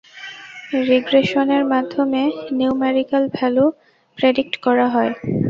রিগ্রেশনের মাধ্যমে numerical value predict করা হয়।